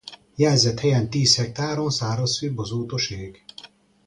A dalt később sokan feldolgozták.